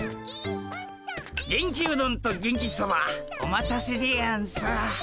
元気うどんと元気そばお待たせでやんす。